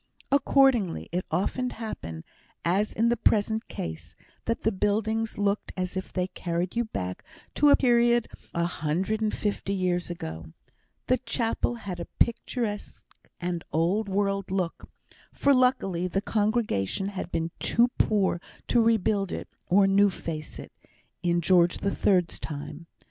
Accordingly, it often happened, as in the present case, that the buildings immediately surrounding, as well as the chapels themselves, looked as if they carried you back to a period a hundred and fifty years ago. The chapel had a picturesque and old world look, for luckily the congregation had been too poor to rebuild it, or new face it, in George the Third's time.